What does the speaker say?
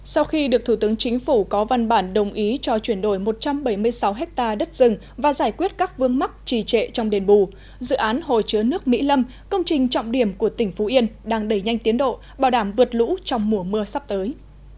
sau khi được thủ tướng chính phủ có văn bản đồng ý cho chuyển đổi một trăm bảy mươi sáu ha đất rừng và giải quyết các vương mắc trì trệ trong đền bù dự án hồ chứa nước mỹ lâm công trình trọng điểm của tỉnh phú yên đang đẩy nhanh tiến độ bảo đảm vượt lũ trong mùa mưa sắp tới